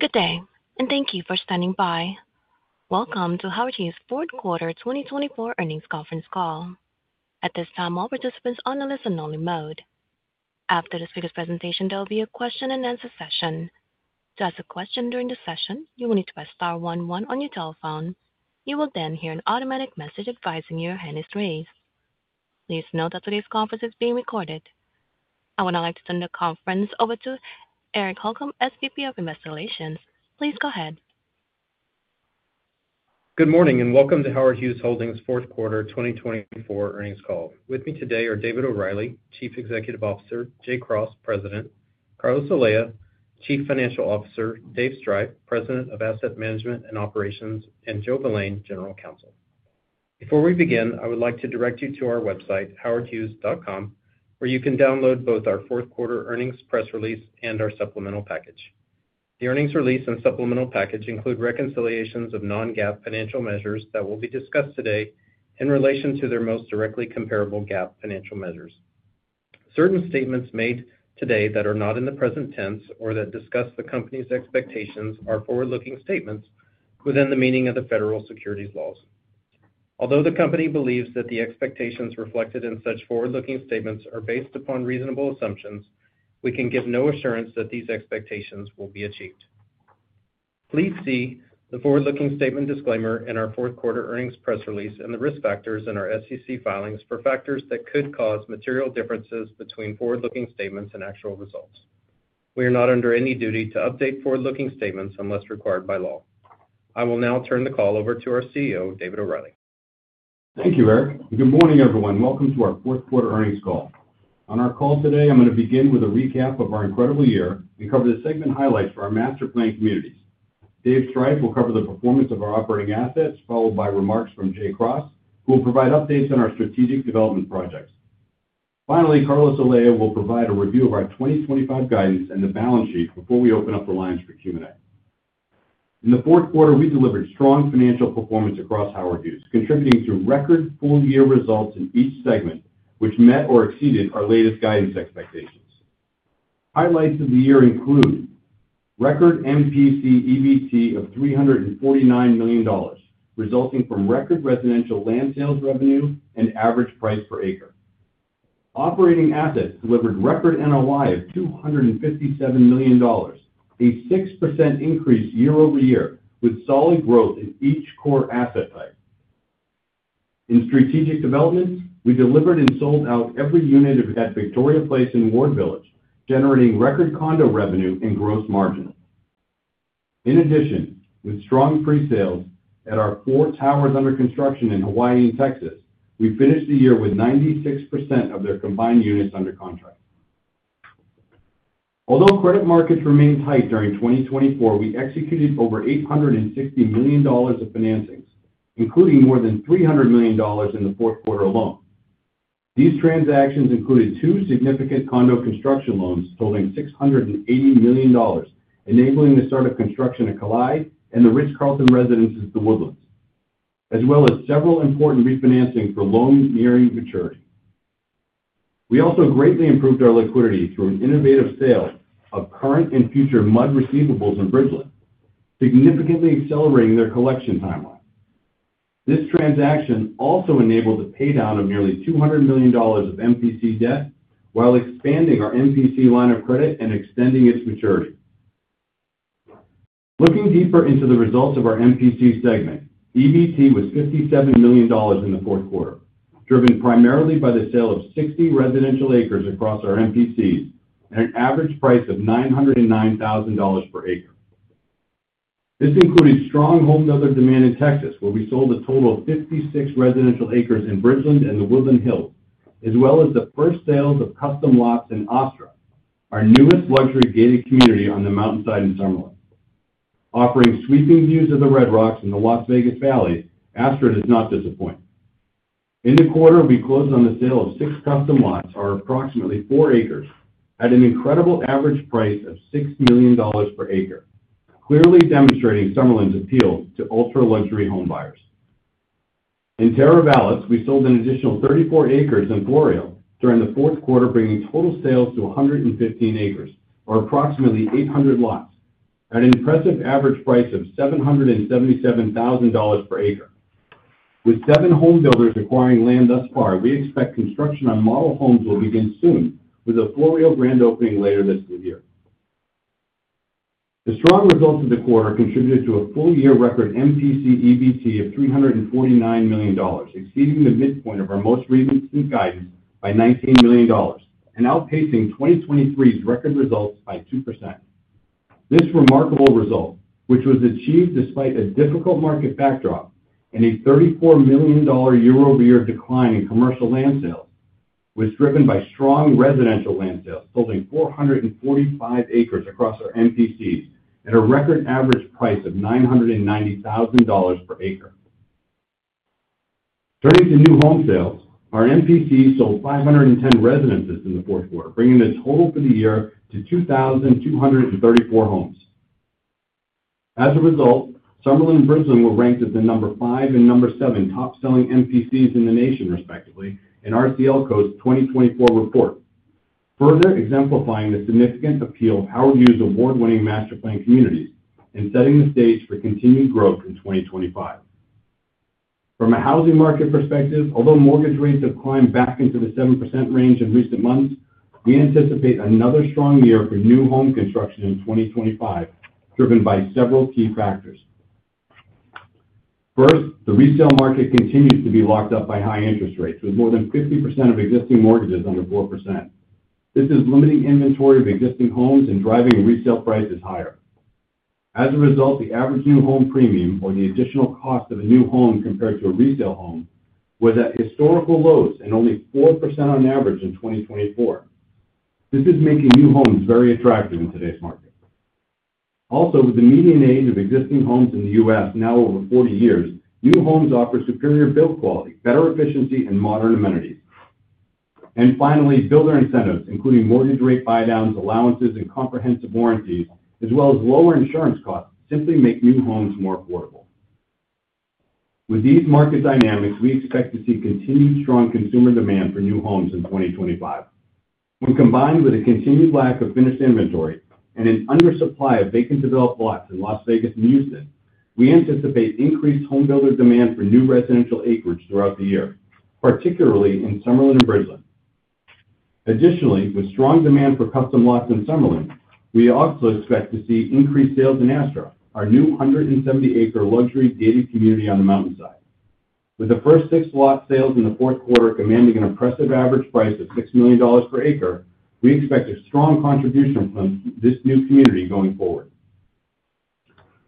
Good day, and thank you for standing by. Welcome to Howard Hughes' fourth quarter 2024 earnings conference call. At this time, all participants are on a listen-only mode. After this speaker's presentation, there will be a question-and-answer session. To ask a question during the session, you will need to press star one one on your telephone. You will then hear an automatic message advising your hand is raised. Please note that today's conference is being recorded. I would now like to turn the conference over to Eric Holcomb, SVP of Investor Relations. Please go ahead. Good morning, and welcome to Howard Hughes Holdings' fourth quarter 2024 earnings call. With me today are David O'Reilly, Chief Executive Officer, Jay Cross, President, Carlos Olea, Chief Financial Officer, Dave Striph, President of Asset Management and Operations, and Joe Valane, General Counsel. Before we begin, I would like to direct you to our website, howardhughes.com, where you can download both our fourth quarter earnings press release and our supplemental package. The earnings release and supplemental package include reconciliations of non-GAAP financial measures that will be discussed today in relation to their most directly comparable GAAP financial measures. Certain statements made today that are not in the present tense or that discuss the company's expectations are forward-looking statements within the meaning of the federal securities laws. Although the company believes that the expectations reflected in such forward-looking statements are based upon reasonable assumptions, we can give no assurance that these expectations will be achieved. Please see the forward-looking statement disclaimer in our fourth quarter earnings press release and the risk factors in our SEC filings for factors that could cause material differences between forward-looking statements and actual results. We are not under any duty to update forward-looking statements unless required by law. I will now turn the call over to our CEO, David O'Reilly. Thank you, Eric. Good morning, everyone. Welcome to our fourth quarter earnings call. On our call today, I'm going to begin with a recap of our incredible year and cover the segment highlights for our master plan communities. Dave Striph will cover the performance of our operating assets, followed by remarks from Jay Cross, who will provide updates on our strategic development projects. Finally, Carlos Olea will provide a review of our 2025 guidance and the balance sheet before we open up the lines for Q&A. In the fourth quarter, we delivered strong financial performance across Howard Hughes, contributing to record full-year results in each segment, which met or exceeded our latest guidance expectations. Highlights of the year include record MPC/EBT of $349 million, resulting from record residential land sales revenue and average price per acre. Operating Assets delivered record NOI of $257 million, a 6% increase year-over-year, with solid growth in each core asset type. In Strategic Developments, we delivered and sold out every unit at Victoria Place in Ward Village, generating record condo revenue and gross margin. In addition, with strong pre-sales at our four towers under construction in Hawaii and Texas, we finished the year with 96% of their combined units under contract. Although credit markets remained tight during 2024, we executed over $860 million of financings, including more than $300 million in the fourth quarter alone. These transactions included two significant condo construction loans totaling $680 million, enabling the start of construction at Ka Laʻi and the Ritz-Carlton Residences at The Woodlands, as well as several important refinancings for loans nearing maturity. We also greatly improved our liquidity through an innovative sale of current and future MUD receivables in Bridgeland, significantly accelerating their collection timeline. This transaction also enabled a paydown of nearly $200 million of MPC debt while expanding our MPC line of credit and extending its maturity. Looking deeper into the results of our MPC segment, EBT was $57 million in the fourth quarter, driven primarily by the sale of 60 residential acres across our MPCs at an average price of $909,000 per acre. This included strong home-builder demand in Texas, where we sold a total of 56 residential acres in Bridgeland and The Woodlands, as well as the first sales of custom lots in Astra, our newest luxury gated community on the mountainside in Summerlin. Offering sweeping views of the Red Rocks and the Las Vegas Valley, Astra does not disappoint. In the quarter, we closed on the sale of six custom lots, or approximately four acres, at an incredible average price of $6 million per acre, clearly demonstrating Summerlin's appeal to ultra-luxury home buyers. In Terravistas, we sold an additional 34 acres in Florio during the fourth quarter, bringing total sales to 115 acres, or approximately 800 lots, at an impressive average price of $777,000 per acre. With seven home builders acquiring land thus far, we expect construction on model homes will begin soon, with a Florio grand opening later this year. The strong results of the quarter contributed to a full-year record MPC/EBT of $349 million, exceeding the midpoint of our most recent guidance by $19 million and outpacing 2023's record results by 2%. This remarkable result, which was achieved despite a difficult market backdrop and a $34 million year-over-year decline in commercial land sales, was driven by strong residential land sales totaling 445 acres across our MPCs at a record average price of $990,000 per acre. Turning to new home sales, our MPC sold 510 residences in the fourth quarter, bringing the total for the year to 2,234 homes. As a result, Summerlin and Bridgeland were ranked as the number five and number seven top-selling MPCs in the nation, respectively, in RCLCO's 2024 report, further exemplifying the significant appeal of Howard Hughes' award-winning master plan communities and setting the stage for continued growth in 2025. From a housing market perspective, although mortgage rates have climbed back into the 7% range in recent months, we anticipate another strong year for new home construction in 2025, driven by several key factors. First, the resale market continues to be locked up by high interest rates, with more than 50% of existing mortgages under 4%. This is limiting inventory of existing homes and driving resale prices higher. As a result, the average new home premium, or the additional cost of a new home compared to a resale home, was at historical lows and only 4% on average in 2024. This is making new homes very attractive in today's market. Also, with the median age of existing homes in the U.S. now over 40 years, new homes offer superior build quality, better efficiency, and modern amenities. And finally, builder incentives, including mortgage rate buy-downs, allowances, and comprehensive warranties, as well as lower insurance costs, simply make new homes more affordable. With these market dynamics, we expect to see continued strong consumer demand for new homes in 2025. When combined with a continued lack of finished inventory and an undersupply of vacant developed lots in Las Vegas and Houston, we anticipate increased home builder demand for new residential acreage throughout the year, particularly in Summerlin and Bridgeland. Additionally, with strong demand for custom lots in Summerlin, we also expect to see increased sales in Astra, our new 170-acre luxury gated community on the mountainside. With the first six lot sales in the fourth quarter commanding an impressive average price of $6 million per acre, we expect a strong contribution from this new community going forward.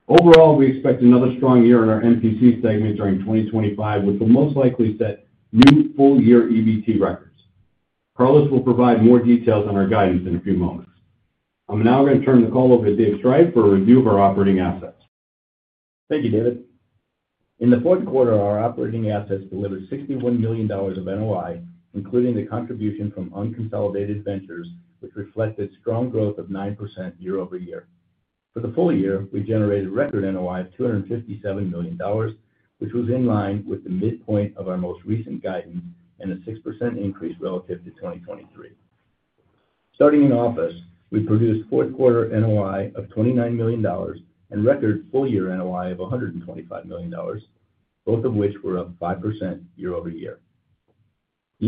Overall, we expect another strong year in our MPC segment during 2025, which will most likely set new full-year EBT records. Carlos will provide more details on our guidance in a few moments. I'm now going to turn the call over to Dave Striph for a review of our operating assets. Thank you, David. In the fourth quarter, our operating assets delivered $61 million of NOI, including the contribution from unconsolidated ventures, which reflected strong growth of 9% year-over-year. For the full year, we generated record NOI of $257 million, which was in line with the midpoint of our most recent guidance and a 6% increase relative to 2023. Starting with office, we produced fourth quarter NOI of $29 million and record full-year NOI of $125 million, both of which were up 5% year-over-year. The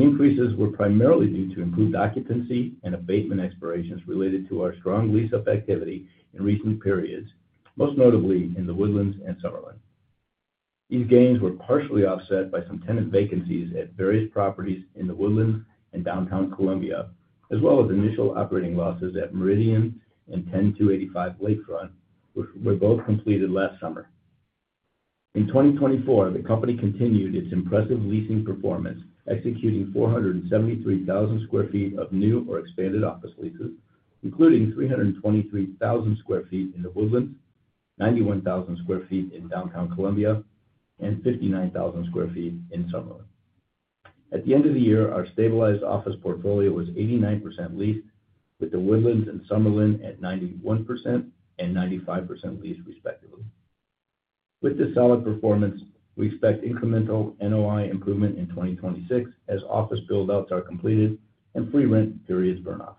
increases were primarily due to improved occupancy and abatement expirations related to our strong lease-up activity in recent periods, most notably in The Woodlands and Summerlin. These gains were partially offset by some tenant vacancies at various properties in The Woodlands and downtown Columbia, as well as initial operating losses at Meridian and 10,285 Lakefront, which were both completed last summer. In 2024, the company continued its impressive leasing performance, executing 473,000 sq ft of new or expanded office leases, including 323,000 sq ft in The Woodlands, 91,000 sq ft in downtown Columbia, and 59,000 sq ft in Summerlin. At the end of the year, our stabilized office portfolio was 89% leased, with The Woodlands and Summerlin at 91% and 95% leased, respectively. With this solid performance, we expect incremental NOI improvement in 2026 as office build-outs are completed and free rent periods burn off.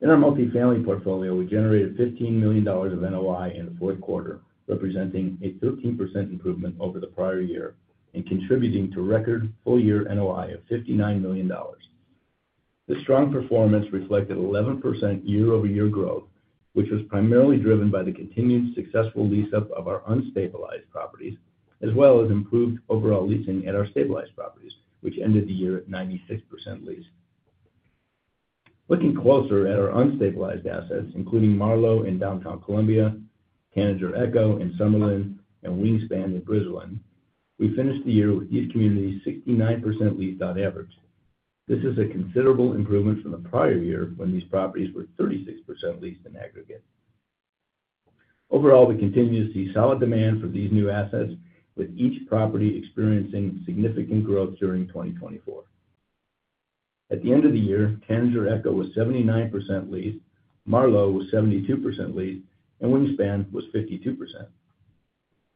In our multifamily portfolio, we generated $15 million of NOI in the fourth quarter, representing a 13% improvement over the prior year and contributing to record full-year NOI of $59 million. This strong performance reflected 11% year-over-year growth, which was primarily driven by the continued successful lease-up of our unstabilized properties, as well as improved overall leasing at our stabilized properties, which ended the year at 96% leased. Looking closer at our unstabilized assets, including Marlowe in downtown Columbia, Tanager Echo in Summerlin, and Wingspan in Bridgeland, we finished the year with these communities 69% leased on average. This is a considerable improvement from the prior year when these properties were 36% leased in aggregate. Overall, we continue to see solid demand for these new assets, with each property experiencing significant growth during 2024. At the end of the year, Tanager Echo was 79% leased, Marlowe was 72% leased, and Wingspan was 52%.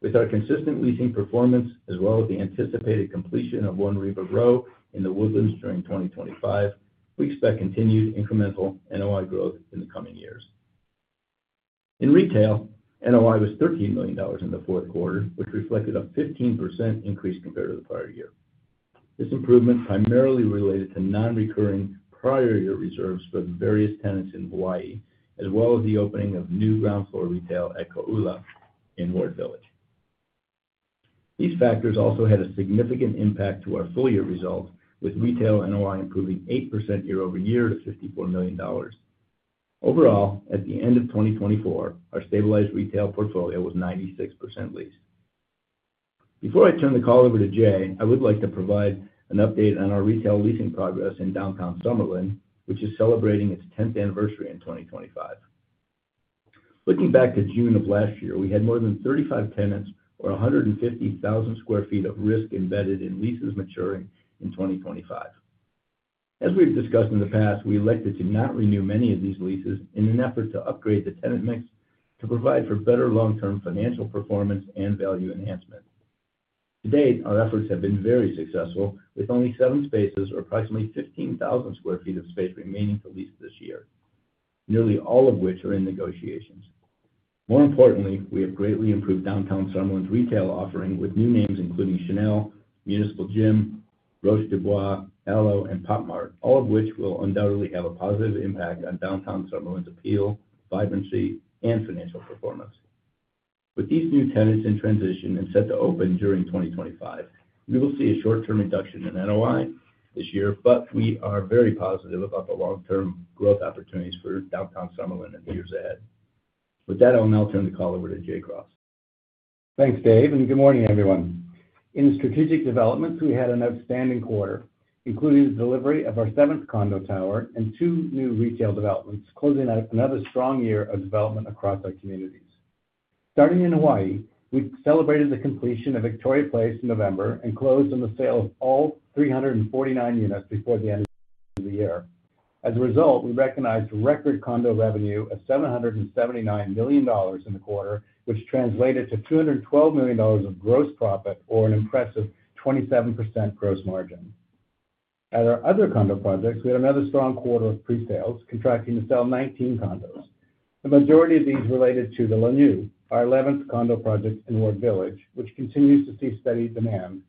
With our consistent leasing performance, as well as the anticipated completion of One Riva Row in The Woodlands during 2025, we expect continued incremental NOI growth in the coming years. In retail, NOI was $13 million in the fourth quarter, which reflected a 15% increase compared to the prior year. This improvement primarily related to non-recurring prior year reserves for the various tenants in Hawaii, as well as the opening of new ground floor retail at Ka'Ula in Ward Village. These factors also had a significant impact to our full-year results, with retail NOI improving 8% year-over-year to $54 million. Overall, at the end of 2024, our stabilized retail portfolio was 96% leased. Before I turn the call over to Jay, I would like to provide an update on our retail leasing progress in downtown Summerlin, which is celebrating its 10th anniversary in 2025. Looking back to June of last year, we had more than 35 tenants or 150,000 sq ft of risk embedded in leases maturing in 2025. As we've discussed in the past, we elected to not renew many of these leases in an effort to upgrade the tenant mix to provide for better long-term financial performance and value enhancement. To date, our efforts have been very successful, with only seven spaces or approximately 15,000 sq ft of space remaining to lease this year, nearly all of which are in negotiations. More importantly, we have greatly improved Downtown Summerlin's retail offering with new names including Chanel, Municipal Gym, Roche Bobois, L.O., and Pop Mart, all of which will undoubtedly have a positive impact on Downtown Summerlin's appeal, vibrancy, and financial performance. With these new tenants in transition and set to open during 2025, we will see a short-term reduction in NOI this year, but we are very positive about the long-term growth opportunities for downtown Summerlin in the years ahead. With that, I'll now turn the call over to Jay Cross. Thanks, Dave, and good morning, everyone. In Strategic Developments, we had an outstanding quarter, including the delivery of our seventh condo tower and two new retail developments, closing out another strong year of development across our communities. Starting in Hawaii, we celebrated the completion of Victoria Place in November and closed on the sale of all 349 units before the end of the year. As a result, we recognized record condo revenue of $779 million in the quarter, which translated to $212 million of gross profit, or an impressive 27% gross margin. At our other condo projects, we had another strong quarter of pre-sales, contracting to sell 19 condos. The majority of these related to The Lanai, our 11th condo project in Ward Village, which continues to see steady demand.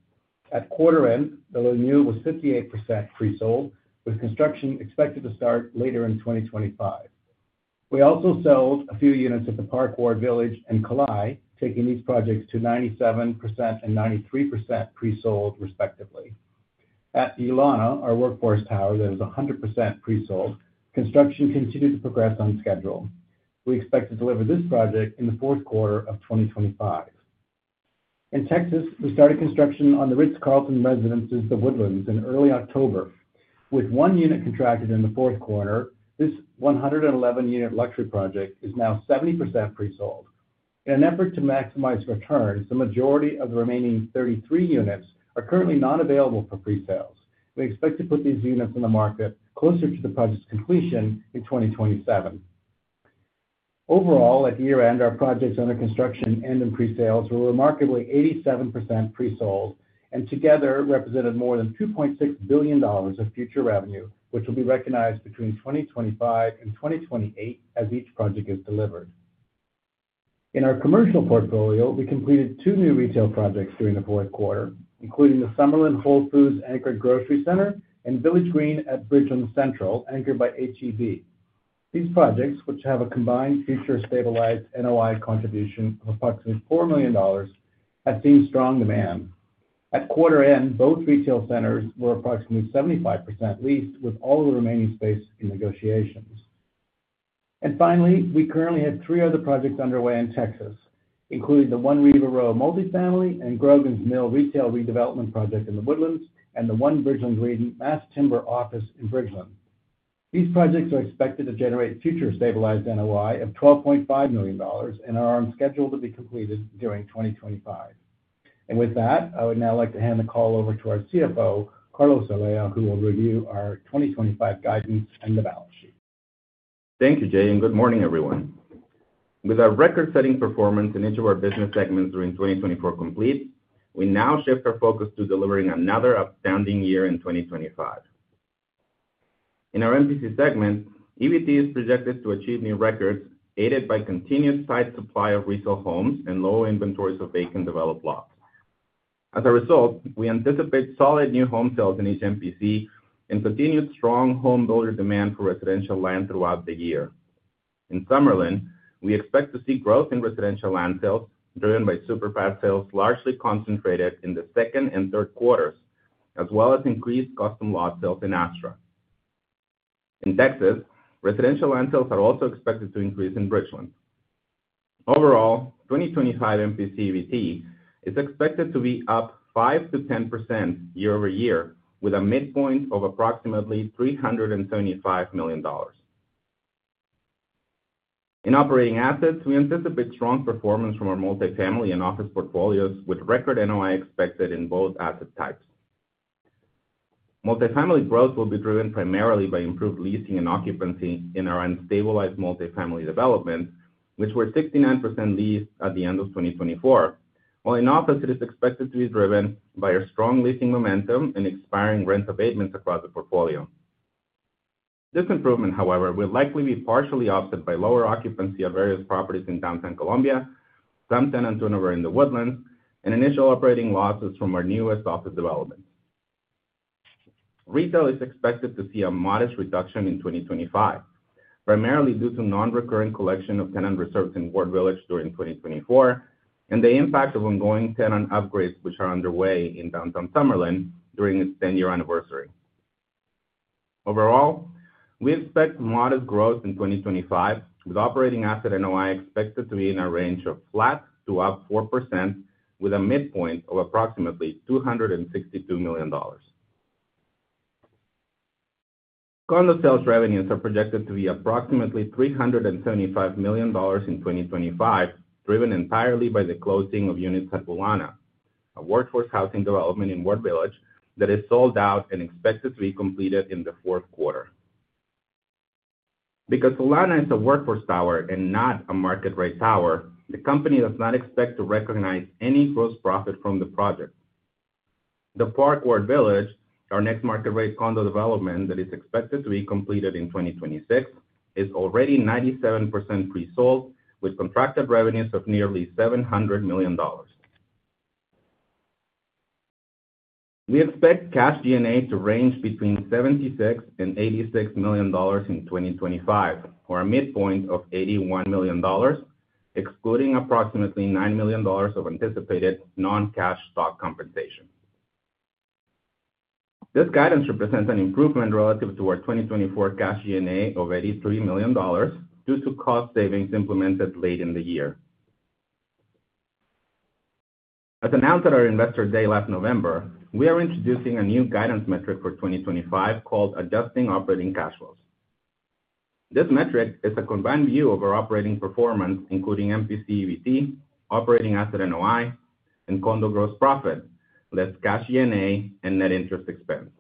At quarter end, The Lanai was 58% pre-sold, with construction expected to start later in 2025. We also sold a few units at The Park Ward Village and Kūkaʻi, taking these projects to 97% and 93% pre-sold, respectively. At Ilana, our workforce tower, that is 100% pre-sold. Construction continued to progress on schedule. We expect to deliver this project in the fourth quarter of 2025. In Texas, we started construction on the Ritz-Carlton Residences, The Woodlands, in early October. With one unit contracted in the fourth quarter, this 111-unit luxury project is now 70% pre-sold. In an effort to maximize returns, the majority of the remaining 33 units are currently not available for pre-sales. We expect to put these units on the market closer to the project's completion in 2027. Overall, at year-end, our projects under construction and in pre-sales were remarkably 87% pre-sold and together represented more than $2.6 billion of future revenue, which will be recognized between 2025 and 2028 as each project is delivered. In our commercial portfolio, we completed two new retail projects during the fourth quarter, including the Summerlin Whole Foods Anchored Grocery Center and Village Green at Bridgeland Central, anchored by HEB. These projects, which have a combined future stabilized NOI contribution of approximately $4 million, have seen strong demand. At quarter end, both retail centers were approximately 75% leased, with all of the remaining space in negotiations, and finally, we currently have three other projects underway in Texas, including the One Riva Row multifamily and Grogan's Mill retail redevelopment project in The Woodlands and the One Bridgeland Green mass timber office in Bridgeland. These projects are expected to generate future stabilized NOI of $12.5 million and are on schedule to be completed during 2025. And with that, I would now like to hand the call over to our CFO, Carlos Olea, who will review our 2025 guidance and the balance sheet. Thank you, Jay, and good morning, everyone. With our record-setting performance in each of our business segments during 2024 complete, we now shift our focus to delivering another outstanding year in 2025. In our MPC segment, EBT is projected to achieve new records, aided by continued tight supply of resale homes and low inventories of vacant developed lots. As a result, we anticipate solid new home sales in each MPC and continued strong home builder demand for residential land throughout the year. In Summerlin, we expect to see growth in residential land sales, driven by superfast sales largely concentrated in the second and third quarters, as well as increased custom lot sales in Astra. In Texas, residential land sales are also expected to increase in Bridgeland. Overall, 2025 MPC/EBT is expected to be up 5%-10% year-over-year, with a midpoint of approximately $375 million. In operating assets, we anticipate strong performance from our multifamily and office portfolios, with record NOI expected in both asset types. Multifamily growth will be driven primarily by improved leasing and occupancy in our unstabilized multifamily developments, which were 69% leased at the end of 2024, while in office, it is expected to be driven by our strong leasing momentum and expiring rent abatements across the portfolio. This improvement, however, will likely be partially offset by lower occupancy of various properties in downtown Columbia, some tenants in The Woodlands, and initial operating losses from our newest office developments. Retail is expected to see a modest reduction in 2025, primarily due to non-recurring collection of tenant reserves in Ward Village during 2024 and the impact of ongoing tenant upgrades, which are underway in downtown Summerlin during its 10-year anniversary. Overall, we expect modest growth in 2025, with Operating Assets NOI expected to be in a range of flat to up 4%, with a midpoint of approximately $262 million. Condo sales revenues are projected to be approximately $375 million in 2025, driven entirely by the closing of units at Ilana, a workforce housing development in Ward Village that is sold out and expected to be completed in the fourth quarter. Because Ilana is a workforce tower and not a market-rate tower, the company does not expect to recognize any gross profit from the project. The Park Ward Village, our next market-rate condo development that is expected to be completed in 2026, is already 97% pre-sold, with contracted revenues of nearly $700 million. We expect cash NOI to range between $76 and $86 million in 2025, or a midpoint of $81 million, excluding approximately $9 million of anticipated non-cash stock compensation. This guidance represents an improvement relative to our 2024 cash D&A of $83 million due to cost savings implemented late in the year. As announced at our investor day last November, we are introducing a new guidance metric for 2025 called Adjusting Operating Cash Flows. This metric is a combined view of our operating performance, including MPC/EBT, operating asset NOI, and condo gross profit, less cash D&A and net interest expense.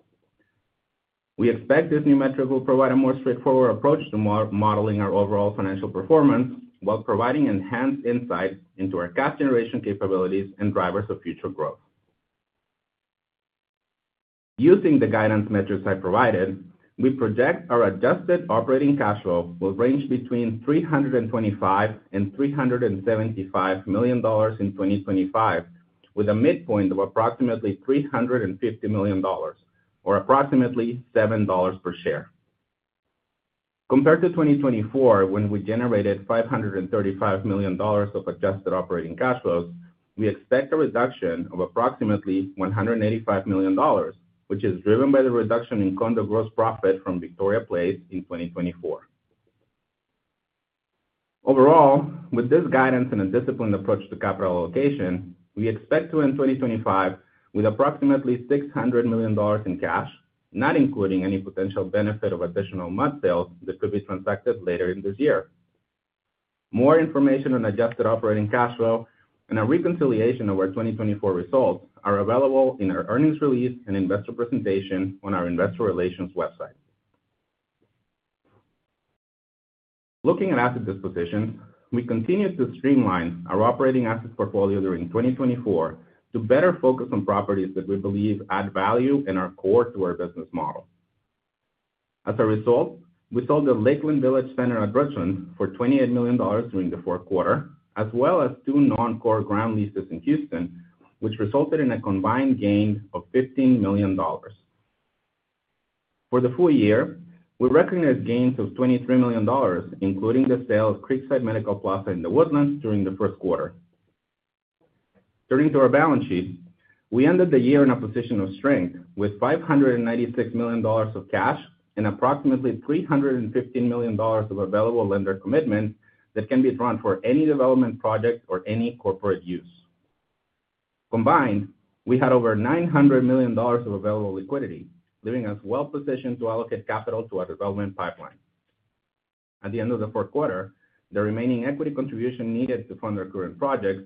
We expect this new metric will provide a more straightforward approach to modeling our overall financial performance while providing enhanced insight into our cash generation capabilities and drivers of future growth. Using the guidance metrics I provided, we project our adjusted operating cash flow will range between $325 and $375 million in 2025, with a midpoint of approximately $350 million, or approximately $7 per share. Compared to 2024, when we generated $535 million of adjusted operating cash flows, we expect a reduction of approximately $185 million, which is driven by the reduction in condo gross profit from Victoria Place in 2024. Overall, with this guidance and a disciplined approach to capital allocation, we expect to end 2025 with approximately $600 million in cash, not including any potential benefit of additional mud sales that could be transacted later in this year. More information on adjusted operating cash flow and a reconciliation of our 2024 results are available in our earnings release and investor presentation on our investor relations website. Looking at asset dispositions, we continue to streamline our operating asset portfolio during 2024 to better focus on properties that we believe add value and are core to our business model. As a result, we sold the Lakeland Village Center at Bridgeland for $28 million during the fourth quarter, as well as two non-core ground leases in Houston, which resulted in a combined gain of $15 million. For the full year, we recognized gains of $23 million, including the sale of Creekside Medical Plaza in The Woodlands during the first quarter. Turning to our balance sheet, we ended the year in a position of strength with $596 million of cash and approximately $315 million of available lender commitment that can be drawn for any development project or any corporate use. Combined, we had over $900 million of available liquidity, leaving us well-positioned to allocate capital to our development pipeline. At the end of the fourth quarter, the remaining equity contribution needed to fund our current projects,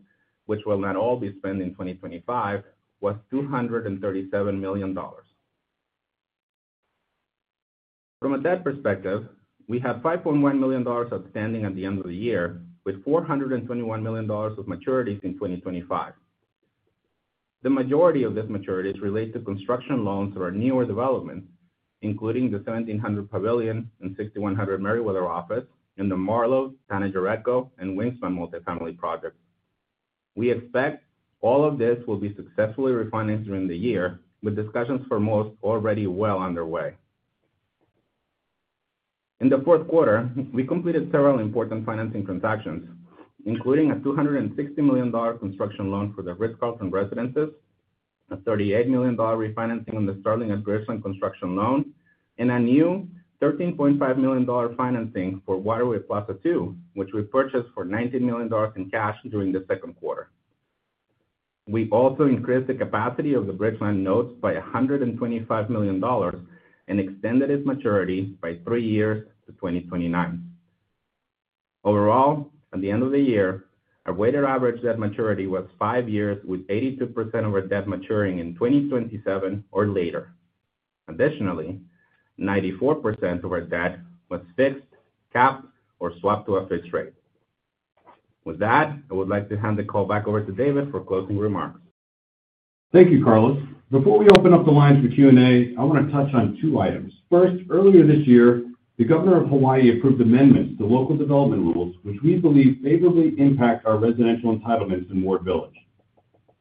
which will not all be spent in 2025, was $237 million. From a debt perspective, we have $5.1 million outstanding at the end of the year, with $421 million of maturities in 2025. The majority of these maturities relate to construction loans for our newer developments, including the 1700 Pavilion and 6100 Merriweather office and the Marlowe, Tanager Echo, and Winsmith multifamily projects. We expect all of this will be successfully refinanced during the year, with discussions for most already well underway. In the fourth quarter, we completed several important financing transactions, including a $260 million construction loan for the Ritz Carlton residences, a $38 million refinancing on the Starling at Bridgeland construction loan, and a new $13.5 million financing for Waterway Plaza 2, which we purchased for $19 million in cash during the second quarter. We also increased the capacity of the Bridgeland notes by $125 million and extended its maturity by three years to 2029. Overall, at the end of the year, our weighted average debt maturity was five years, with 82% of our debt maturing in 2027 or later. Additionally, 94% of our debt was fixed, capped, or swapped to a fixed rate. With that, I would like to hand the call back over to David for closing remarks. Thank you, Carlos. Before we open up the lines for Q&A, I want to touch on two items. First, earlier this year, the Governor of Hawaii approved amendments to local development rules, which we believe favorably impact our residential entitlements in Ward Village.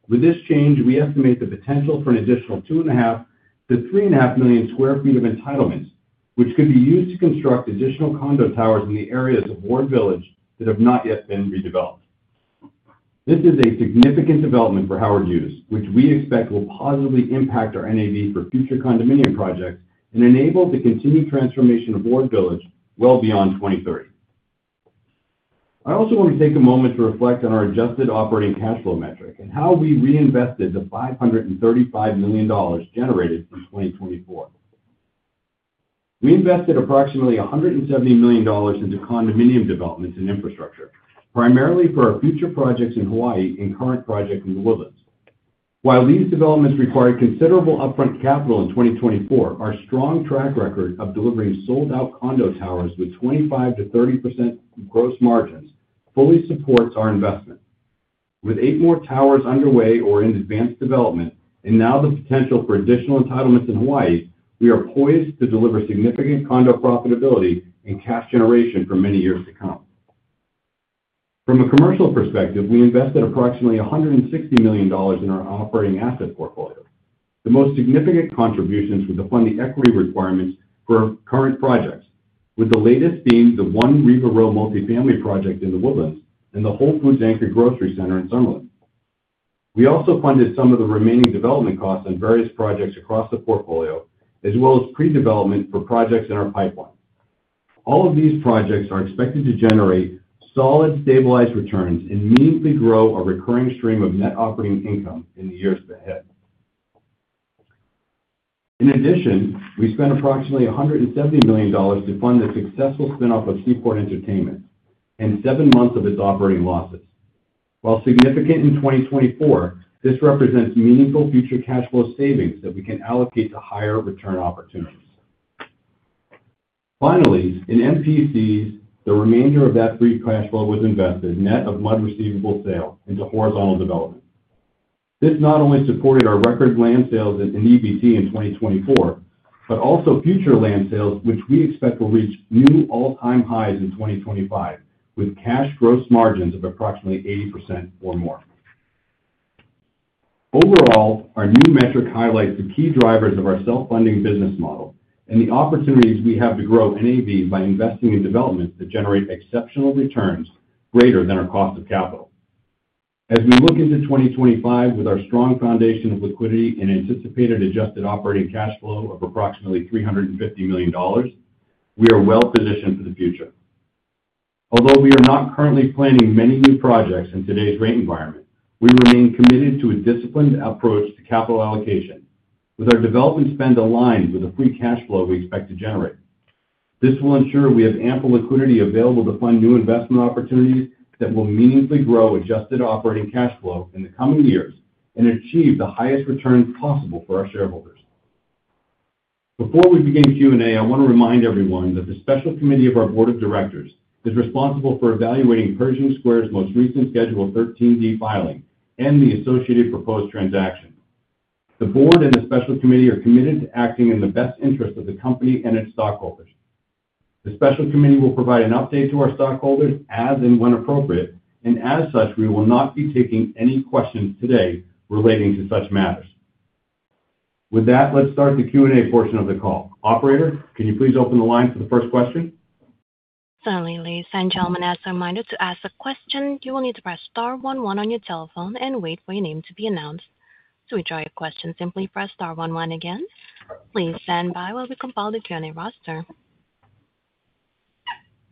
With this change, we estimate the potential for an additional 2.5 to 3.5 million sq ft of entitlements, which could be used to construct additional condo towers in the areas of Ward Village that have not yet been redeveloped. This is a significant development for Howard Hughes, which we expect will positively impact our NAV for future condominium projects and enable the continued transformation of Ward Village well beyond 2030. I also want to take a moment to reflect on our adjusted operating cash flow metric and how we reinvested the $535 million generated in 2024. We invested approximately $170 million into condominium developments and infrastructure, primarily for our future projects in Hawaii and current projects in The Woodlands. While these developments required considerable upfront capital in 2024, our strong track record of delivering sold-out condo towers with 25%-30% gross margins fully supports our investment. With eight more towers underway or in advanced development, and now the potential for additional entitlements in Hawaii, we are poised to deliver significant condo profitability and cash generation for many years to come. From a commercial perspective, we invested approximately $160 million in our operating asset portfolio. The most significant contributions were to fund the equity requirements for current projects, with the latest being the One Riverway multifamily project in The Woodlands and the Whole Foods-anchored grocery center in Summerlin. We also funded some of the remaining development costs on various projects across the portfolio, as well as pre-development for projects in our pipeline. All of these projects are expected to generate solid, stabilized returns and meaningfully grow our recurring stream of net operating income in the years ahead. In addition, we spent approximately $170 million to fund the successful spinoff of Seaport Entertainment and seven months of its operating losses. While significant in 2024, this represents meaningful future cash flow savings that we can allocate to higher return opportunities. Finally, in MPCs, the remainder of that free cash flow was invested net of MUD receivable sale into horizontal development. This not only supported our record land sales and EBT in 2024, but also future land sales, which we expect will reach new all-time highs in 2025, with cash gross margins of approximately 80% or more. Overall, our new metric highlights the key drivers of our self-funding business model and the opportunities we have to grow NAV by investing in developments that generate exceptional returns greater than our cost of capital. As we look into 2025 with our strong foundation of liquidity and anticipated adjusted operating cash flow of approximately $350 million, we are well-positioned for the future. Although we are not currently planning many new projects in today's rate environment, we remain committed to a disciplined approach to capital allocation, with our development spend aligned with the free cash flow we expect to generate. This will ensure we have ample liquidity available to fund new investment opportunities that will meaningfully grow adjusted operating cash flow in the coming years and achieve the highest returns possible for our shareholders. Before we begin Q&A, I want to remind everyone that the special committee of our board of directors is responsible for evaluating Pershing Square's most recent schedule 13D filing and the associated proposed transaction. The board and the special committee are committed to acting in the best interest of the company and its stockholders. The special committee will provide an update to our stockholders as and when appropriate, and as such, we will not be taking any questions today relating to such matters. With that, let's start the Q&A portion of the call. Operator, can you please open the line for the first question? Certainly, please. And gentlemen, as a reminder to ask a question, you will need to press star one one on your telephone and wait for your name to be announced. To withdraw your question, simply press star one one again. Please stand by while we compile the Q&A roster.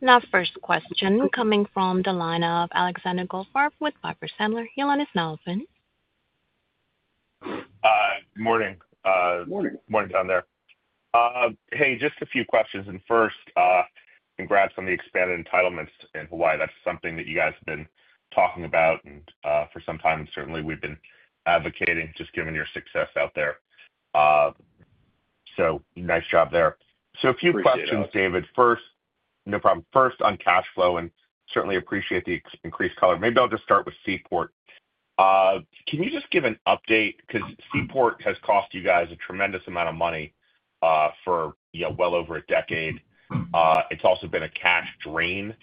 Now, first question coming from the line of Alexander Goldfarb with Piper Sandler. Ilan, it's now open. Good morning. Good morning. Morning down there. Hey, just a few questions and first, congrats on the expanded entitlements in Hawaii. That's something that you guys have been talking about for some time. Certainly, we've been advocating, just given your success out there, so nice job there, so a few questions, David. First, no problem. First on cash flow, and certainly appreciate the increased color. Maybe I'll just start with Seaport. Can you just give an update? Because Seaport has cost you guys a tremendous amount of money for well over a decade. It's also been a cash drain,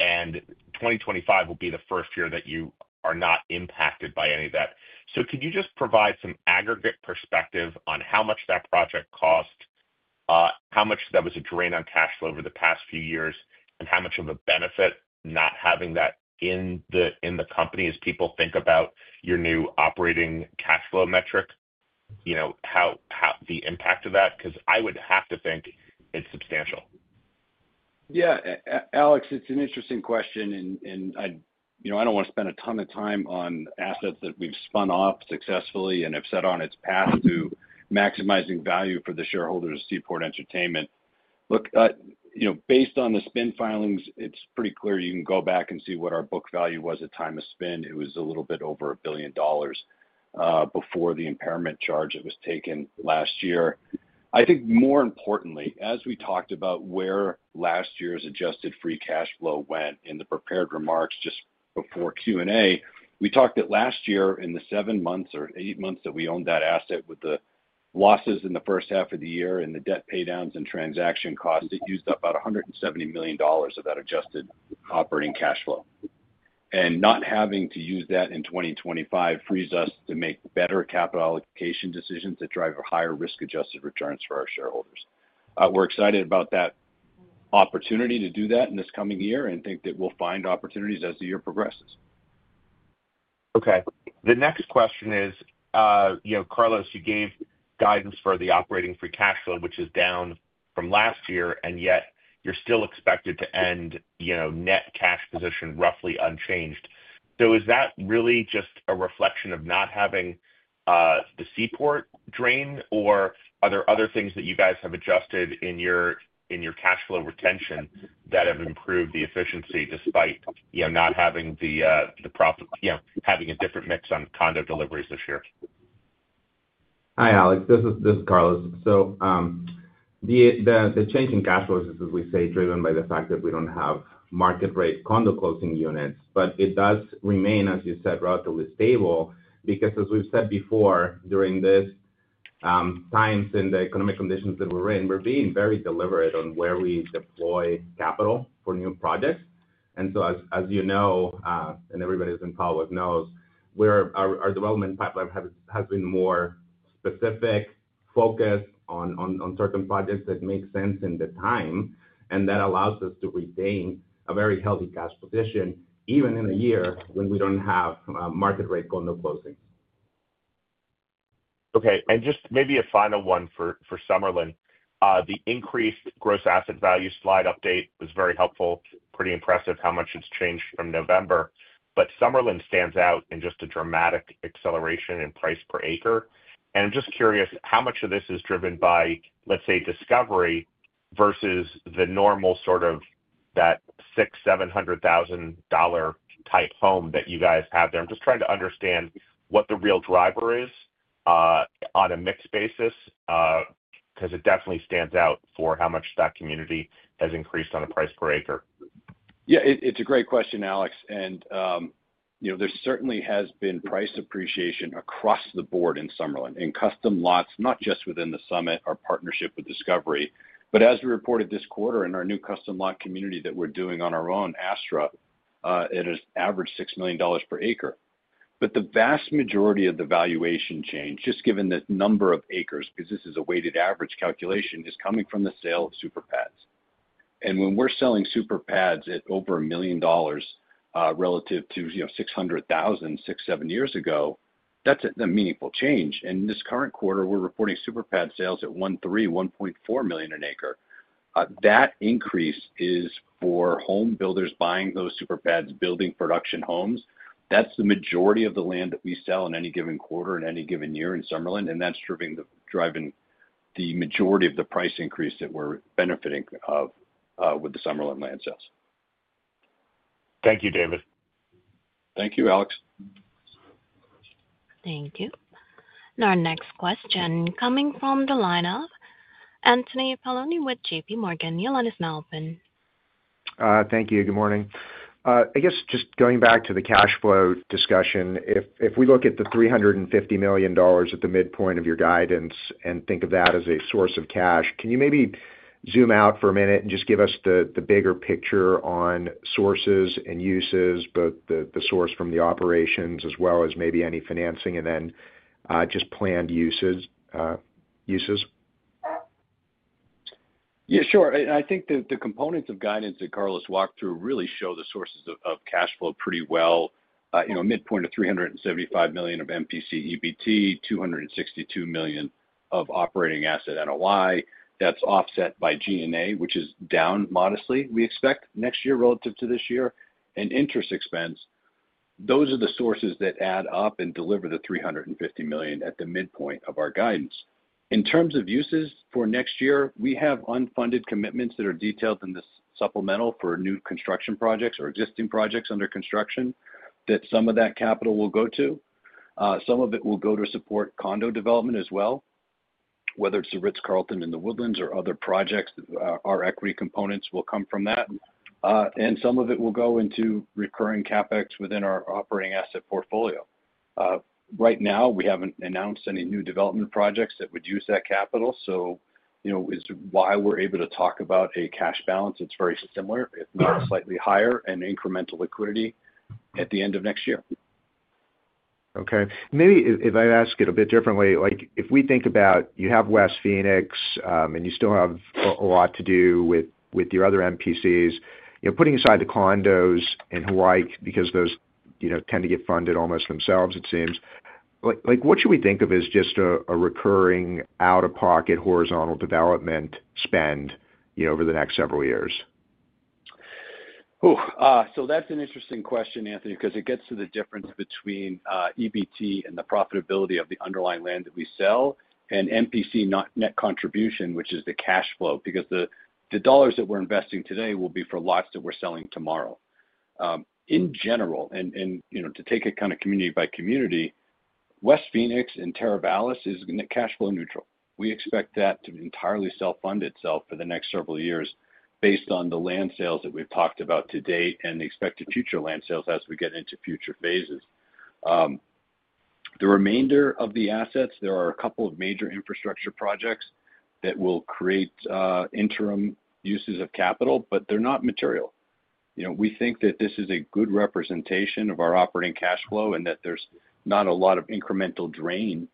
and 2025 will be the first year that you are not impacted by any of that. So could you just provide some aggregate perspective on how much that project cost, how much that was a drain on cash flow over the past few years, and how much of a benefit not having that in the company as people think about your new operating cash flow metric, the impact of that? Because I would have to think it's substantial. Yeah, Alex, it's an interesting question, and I don't want to spend a ton of time on assets that we've spun off successfully and have set on its path to maximizing value for the shareholders of Seaport Entertainment. Look, based on the spin filings, it's pretty clear you can go back and see what our book value was at time of spin. It was a little bit over $1 billion before the impairment charge that was taken last year. I think more importantly, as we talked about where last year's adjusted free cash flow went in the prepared remarks just before Q&A, we talked that last year, in the seven months or eight months that we owned that asset with the losses in the first half of the year and the debt paydowns and transaction costs, it used up about $170 million of that adjusted operating cash flow. Not having to use that in 2025 frees us to make better capital allocation decisions that drive higher risk-adjusted returns for our shareholders. We're excited about that opportunity to do that in this coming year and think that we'll find opportunities as the year progresses. Okay. The next question is, Carlos, you gave guidance for the operating free cash flow, which is down from last year, and yet you're still expected to end net cash position roughly unchanged. So is that really just a reflection of not having the Seaport drain, or are there other things that you guys have adjusted in your cash flow retention that have improved the efficiency despite not having the profit, having a different mix on condo deliveries this year? Hi, Alex. This is Carlos, so the change in cash flow is, as we say, driven by the fact that we don't have market-rate condo closing units, but it does remain, as you said, relatively stable because, as we've said before, during these times and the economic conditions that we're in, we're being very deliberate on where we deploy capital for new projects, and so, as you know, and everybody who's in power knows, our development pipeline has been more specific, focused on certain projects that make sense in the time, and that allows us to retain a very healthy cash position even in a year when we don't have market-rate condo closings. Okay, and just maybe a final one for Summerlin. The increased gross asset value slide update was very helpful, pretty impressive how much it's changed from November, but Summerlin stands out in just a dramatic acceleration in price per acre, and I'm just curious how much of this is driven by, let's say, Discovery versus the normal sort of that $600,000-$700,000 type home that you guys have there. I'm just trying to understand what the real driver is on a mixed basis because it definitely stands out for how much that community has increased on a price per acre. Yeah, it's a great question, Alex, and there certainly has been price appreciation across the board in Summerlin in custom lots, not just within the summit or partnership with Discovery, but as we reported this quarter in our new custom lot community that we're doing on our own, Astra, it has averaged $6 million per acre, but the vast majority of the valuation change, just given the number of acres, because this is a weighted average calculation, is coming from the sale of super pads, and when we're selling super pads at over a million dollars relative to $600,000 six, seven years ago, that's a meaningful change, and this current quarter, we're reporting super pad sales at $1.3 - $1.4 million an acre. That increase is for home builders buying those super pads, building production homes. That's the majority of the land that we sell in any given quarter, in any given year in Summerlin, and that's driving the majority of the price increase that we're benefiting of with the Summerlin land sales. Thank you, David. Thank you, Alex. Thank you. And our next question coming from the line of Anthony Paolone with JPMorgan. The line is now open. Thank you. Good morning. I guess just going back to the cash flow discussion, if we look at the $350 million at the midpoint of your guidance and think of that as a source of cash, can you maybe zoom out for a minute and just give us the bigger picture on sources and uses, both the source from the operations as well as maybe any financing and then just planned uses? Yeah, sure. And I think the components of guidance that Carlos walked through really show the sources of cash flow pretty well. Midpoint of $375 million of MPC/EBT, $262 million of operating asset NOI, that's offset by G&A, which is down modestly, we expect next year relative to this year, and interest expense. Those are the sources that add up and deliver the $350 million at the midpoint of our guidance. In terms of uses for next year, we have unfunded commitments that are detailed in this supplemental for new construction projects or existing projects under construction that some of that capital will go to. Some of it will go to support condo development as well, whether it's the Ritz-Carlton in The Woodlands or other projects. Our equity components will come from that, and some of it will go into recurring CapEx within our operating asset portfolio. Right now, we haven't announced any new development projects that would use that capital, so it's why we're able to talk about a cash balance. It's very similar, if not slightly higher, and incremental liquidity at the end of next year. Okay. Maybe if I ask it a bit differently, if we think about you have West Phoenix and you still have a lot to do with your other MPCs, putting aside the condos in Hawaii because those tend to get funded almost themselves, it seems, what should we think of as just a recurring out-of-pocket horizontal development spend over the next several years? Ooh, so that's an interesting question, Anthony, because it gets to the difference between EBT and the profitability of the underlying land that we sell and MPC net contribution, which is the cash flow, because the dollars that we're investing today will be for lots that we're selling tomorrow. In general, and to take it kind of community by community, West Phoenix and Terra Vallis is net cash flow neutral. We expect that to entirely self-fund itself for the next several years based on the land sales that we've talked about to date and the expected future land sales as we get into future phases. The remainder of the assets, there are a couple of major infrastructure projects that will create interim uses of capital, but they're not material. We think that this is a good representation of our operating cash flow and that there's not a lot of incremental drain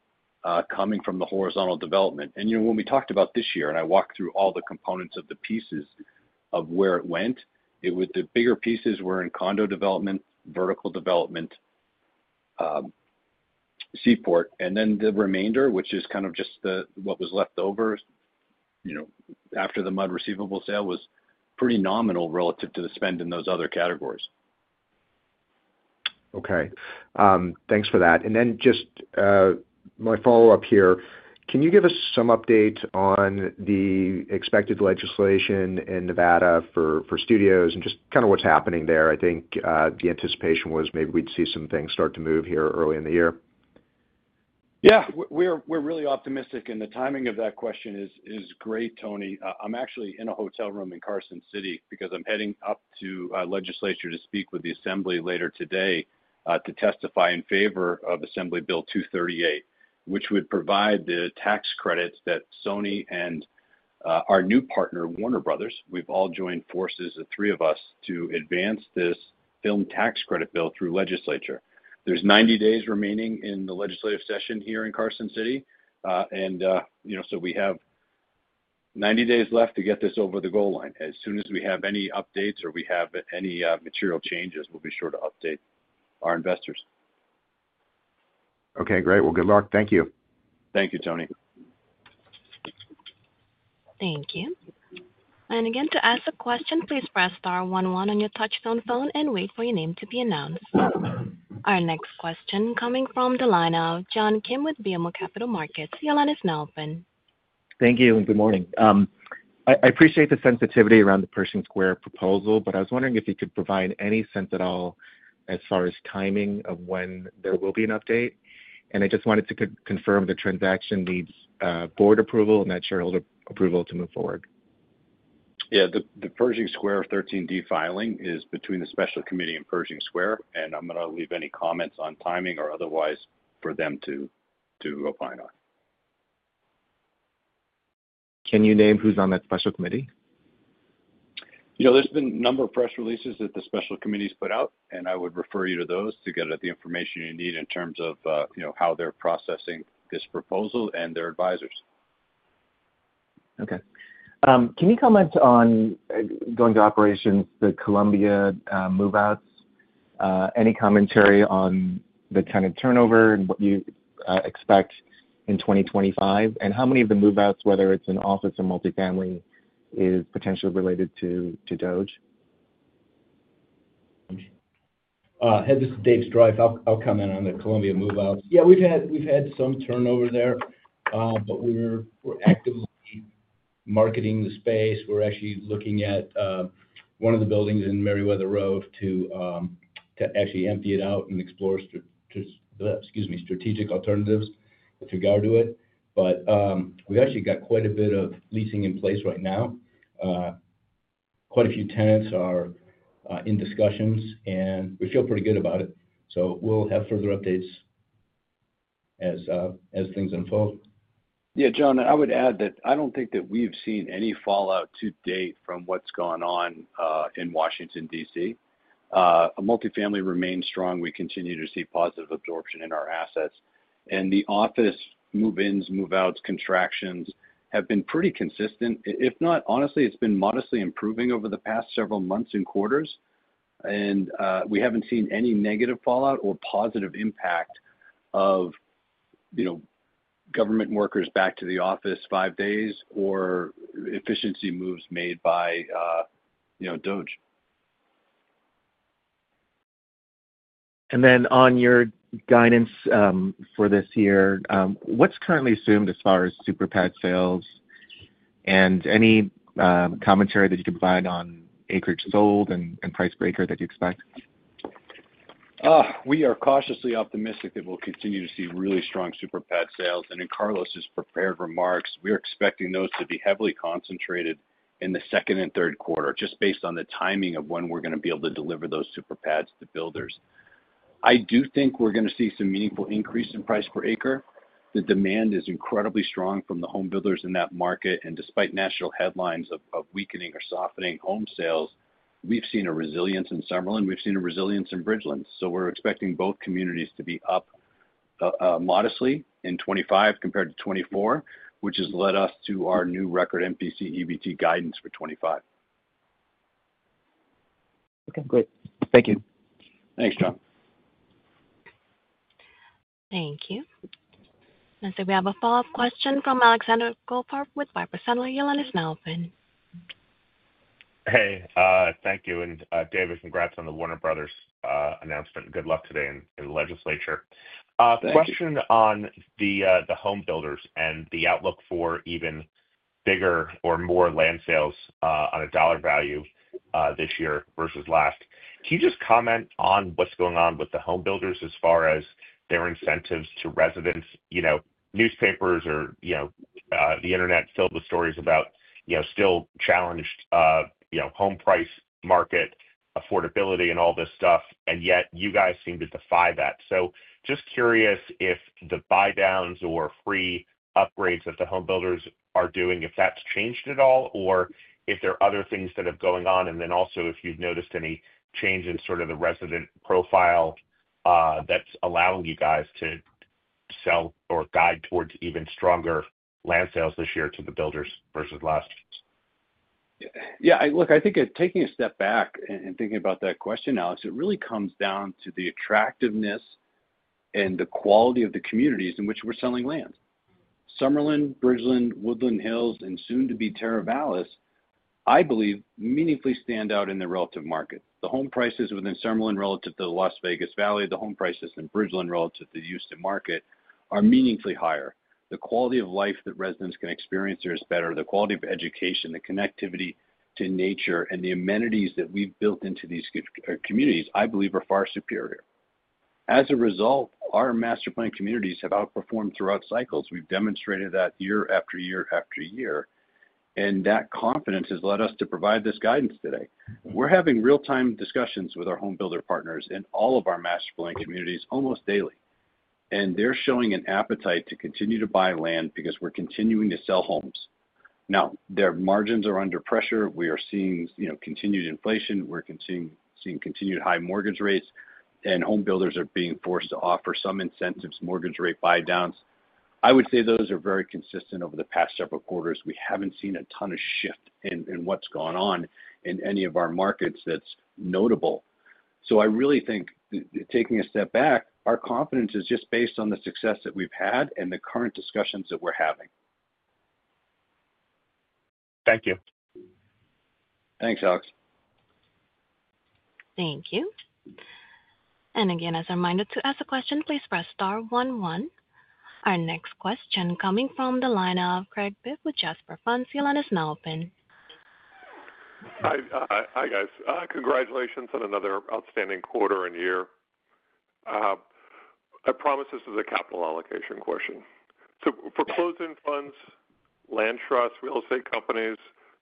coming from the horizontal development, and when we talked about this year and I walked through all the components of the pieces of where it went, the bigger pieces were in condo development, vertical development, Seaport, and then the remainder, which is kind of just what was left over after the MUD receivable sale, was pretty nominal relative to the spend in those other categories. Okay. Thanks for that. And then just my follow-up here, can you give us some update on the expected legislation in Nevada for studios and just kind of what's happening there? I think the anticipation was maybe we'd see some things start to move here early in the year. Yeah, we're really optimistic, and the timing of that question is great, Tony. I'm actually in a hotel room in Carson City because I'm heading up to legislature to speak with the assembly later today to testify in favor of Assembly Bill 238, which would provide the tax credits that Sony and our new partner, Warner Brothers, we've all joined forces, the three of us, to advance this film tax credit bill through legislature. There's 90 days remaining in the legislative session here in Carson City, and so we have 90 days left to get this over the goal line. As soon as we have any updates or we have any material changes, we'll be sure to update our investors. Okay. Great. Well, good luck. Thank you. Thank you, Tony. Thank you. And again, to ask a question, please press star one one on your touch-tone phone and wait for your name to be announced. Our next question coming from the line of John Kim with BMO Capital Markets. Your line is now open. Thank you and good morning. I appreciate the sensitivity around the Pershing Square proposal, but I was wondering if you could provide any sense at all as far as timing of when there will be an update? And I just wanted to confirm the transaction needs board approval and that shareholder approval to move forward. Yeah, the Pershing Square 13D filing is between the special committee and Pershing Square, and I'm going to leave any comments on timing or otherwise for them to opine on. Can you name who's on that special committee? There's been a number of press releases that the special committee has put out, and I would refer you to those to get the information you need in terms of how they're processing this proposal and their advisors. Okay. Can you comment on, going to operations, the Columbia move-outs? Any commentary on the kind of turnover and what you expect in 2025? And how many of the move-outs, whether it's an office or multifamily, is potentially related to Doge? Hey, this is Dave Striph. I'll comment on the Columbia move-outs. Yeah, we've had some turnover there, but we're actively marketing the space. We're actually looking at one of the buildings in Meriwether Road to actually empty it out and explore strategic alternatives with regard to it. But we've actually got quite a bit of leasing in place right now. Quite a few tenants are in discussions, and we feel pretty good about it. So we'll have further updates as things unfold. Yeah, John, I would add that I don't think that we've seen any fallout to date from what's gone on in Washington, D.C. Multifamily remains strong. We continue to see positive absorption in our assets. And the office move-ins, move-outs, contractions have been pretty consistent. If not, honestly, it's been modestly improving over the past several months and quarters. And we haven't seen any negative fallout or positive impact of government workers back to the office five days or efficiency moves made by DOGE. And then on your guidance for this year, what's currently assumed as far as super pad sales and any commentary that you can provide on acreage sold and price per acre that you expect? We are cautiously optimistic that we'll continue to see really strong super pad sales. And in Carlos's prepared remarks, we're expecting those to be heavily concentrated in the second and third quarter, just based on the timing of when we're going to be able to deliver those super pads to builders. I do think we're going to see some meaningful increase in price per acre. The demand is incredibly strong from the home builders in that market. And despite national headlines of weakening or softening home sales, we've seen a resilience in Summerlin. We've seen a resilience in Bridgeland. So we're expecting both communities to be up modestly in 2025 compared to 2024, which has led us to our new record MPC/EBT guidance for 2025. Okay. Great. Thank you. Thanks, John. Thank you, and so we have a follow-up question from Alexander Goldthorp with Viper Center. Line is now open. Hey, thank you. And David, congrats on the Warner Brothers announcement. Good luck today in legislature. Thank you. Question on the home builders and the outlook for even bigger or more land sales on a dollar value this year versus last. Can you just comment on what's going on with the home builders as far as their incentives to residents? Newspapers or the internet filled with stories about still challenged home price market affordability and all this stuff, and yet you guys seem to defy that. So just curious if the buy-downs or free upgrades that the home builders are doing, if that's changed at all, or if there are other things that are going on, and then also if you've noticed any change in sort of the resident profile that's allowing you guys to sell or guide towards even stronger land sales this year to the builders versus last. Yeah, look, I think taking a step back and thinking about that question, Alex, it really comes down to the attractiveness and the quality of the communities in which we're selling land. Summerlin, Bridgeland, Woodland Hills, and soon-to-be Terra Vallis, I believe, meaningfully stand out in the relative market. The home prices within Summerlin relative to the Las Vegas Valley, the home prices in Bridgeland relative to the Houston market are meaningfully higher. The quality of life that residents can experience here is better. The quality of education, the connectivity to nature, and the amenities that we've built into these communities, I believe, are far superior. As a result, our master plan communities have outperformed throughout cycles. We've demonstrated that year after year after year, and that confidence has led us to provide this guidance today. We're having real-time discussions with our home builder partners in all of our master plan communities almost daily. And they're showing an appetite to continue to buy land because we're continuing to sell homes. Now, their margins are under pressure. We are seeing continued inflation. We're seeing continued high mortgage rates. And home builders are being forced to offer some incentives, mortgage rate buy-downs. I would say those are very consistent over the past several quarters. We haven't seen a ton of shift in what's going on in any of our markets that's notable. So I really think, taking a step back, our confidence is just based on the success that we've had and the current discussions that we're having. Thank you. Thanks, Alex. Thank you. And again, as a reminder to ask a question, please press star one one. Our next question coming from the line of Craig Bibb with Jasper Funds. Your line is now open. Hi, guys. Congratulations on another outstanding quarter and year. I promise this is a capital allocation question. So for closed-end funds, land trusts, real estate companies,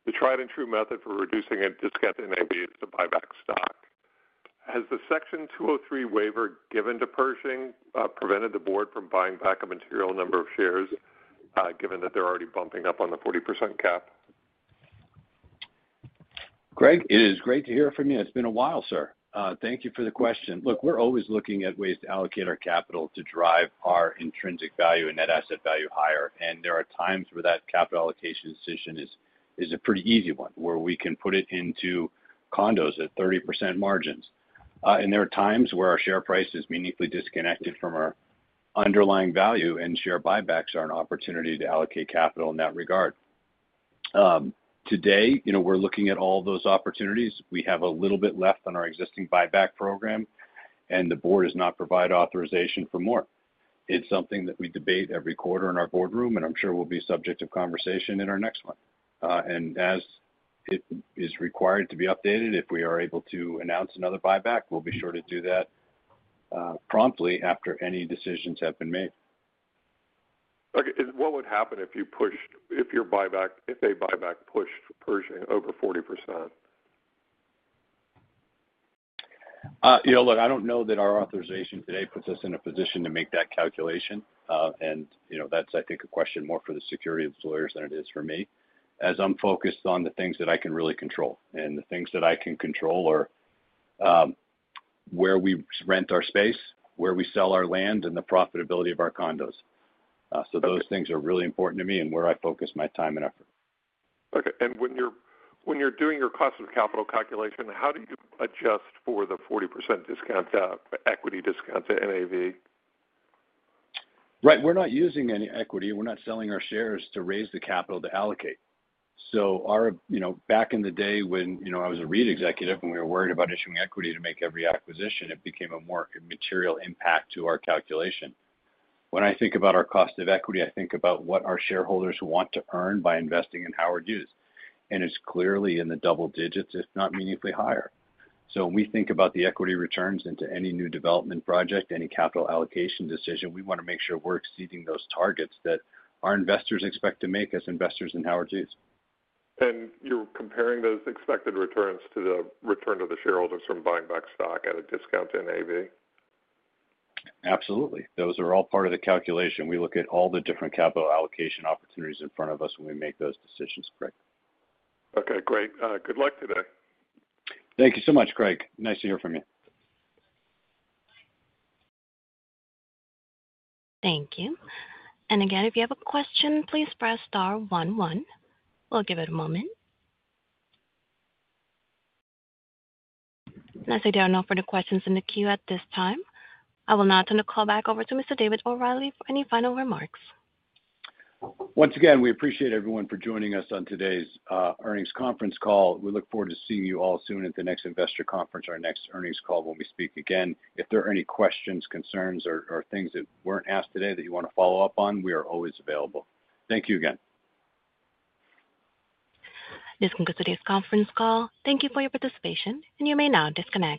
the tried-and-true method for reducing a discount to NAV is to buy back stock. Has the Section 203 waiver given to Pershing prevented the board from buying back a material number of shares, given that they're already bumping up on the 40% cap? Craig, it is great to hear from you. It's been a while, sir. Thank you for the question. Look, we're always looking at ways to allocate our capital to drive our intrinsic value and net asset value higher, and there are times where that capital allocation decision is a pretty easy one, where we can put it into condos at 30% margins, and there are times where our share price is meaningfully disconnected from our underlying value, and share buybacks are an opportunity to allocate capital in that regard. Today, we're looking at all those opportunities. We have a little bit left on our existing buyback program, and the board has not provided authorization for more. It's something that we debate every quarter in our boardroom, and I'm sure we'll be subject to conversation in our next one. As it is required to be updated, if we are able to announce another buyback, we'll be sure to do that promptly after any decisions have been made. Okay. What would happen if a buyback pushed Pershing over 40%? Look, I don't know that our authorization today puts us in a position to make that calculation. And that's, I think, a question more for the securities lawyers than it is for me, as I'm focused on the things that I can really control. And the things that I can control are where we rent our space, where we sell our land, and the profitability of our condos. So those things are really important to me and where I focus my time and effort. Okay. And when you're doing your cost of capital calculation, how do you adjust for the 40% discount, equity discount to NAV? Right. We're not using any equity. We're not selling our shares to raise the capital to allocate. So back in the day when I was a REIT executive and we were worried about issuing equity to make every acquisition, it became a more material impact to our calculation. When I think about our cost of equity, I think about what our shareholders want to earn by investing in Howard Hughes. And it's clearly in the double digits, if not meaningfully higher. So when we think about the equity returns into any new development project, any capital allocation decision, we want to make sure we're exceeding those targets that our investors expect to make as investors in Howard Hughes. You're comparing those expected returns to the return to the shareholders from buying back stock at a discount to NAB? Absolutely. Those are all part of the calculation. We look at all the different capital allocation opportunities in front of us when we make those decisions, Craig. Okay. Great. Good luck today. Thank you so much, Craig. Nice to hear from you. Thank you. And again, if you have a question, please press star one one. We'll give it a moment. Unless I do have no further questions in the queue at this time, I will now turn the call back over to Mr. David O'Reilly for any final remarks. Once again, we appreciate everyone for joining us on today's earnings conference call. We look forward to seeing you all soon at the next investor conference, our next earnings call when we speak again. If there are any questions, concerns, or things that weren't asked today that you want to follow up on, we are always available. Thank you again. This concludes today's conference call. Thank you for your participation, and you may now disconnect.